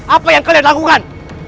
apa yang kalian lakukan